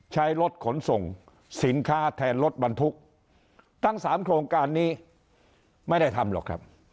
ใช้รถขนส่งสินค้าแทนรถบรรทุกทั้งสามโครงการนี้ไม่ได้ทำหรอกครับ